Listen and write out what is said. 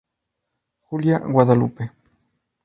Julia Guadalupe.